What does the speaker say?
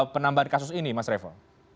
penambahan kasus ini mas revo